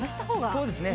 そうですね。